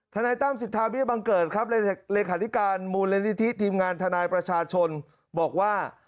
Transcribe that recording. ทนายตั้มสิทธาเบี้ยบังเกิดครับเลขาธิการมูลนิธิทีมงานทนายประชาชนบอกว่า